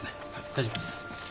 大丈夫です。